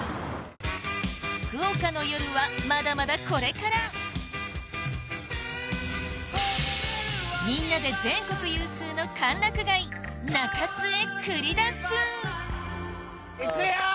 福岡の夜はまだまだこれからみんなで全国有数の歓楽街中洲へ繰り出す！